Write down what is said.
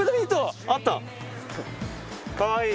かわいい！